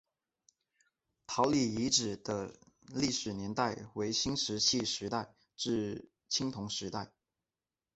姚李遗址的历史年代为新石器时代至青铜时代。